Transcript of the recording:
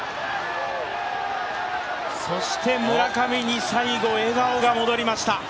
そして村上に最後、笑顔が戻りました。